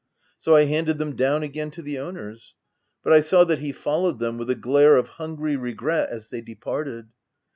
So I handed them down again to the owners ; but I saw that he followed them with a glare of hungry regret as they departed.